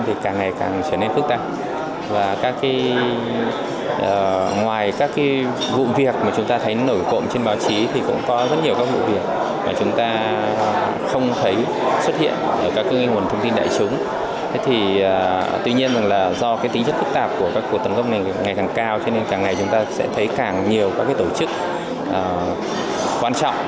tính chất phức tạp của các cuộc tấn công này ngày càng cao cho nên càng ngày chúng ta sẽ thấy càng nhiều các tổ chức quan trọng